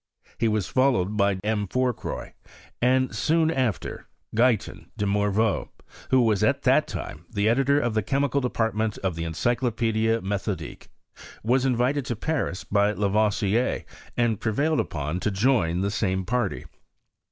He was followed by M, Fourcroy, and soon after Guyton de Morveau, who was at that time the editor of the chemical department of the' Encyclo pedie Methodique, was invited to Paris by Lavoisier and prevailed upon to join the same party.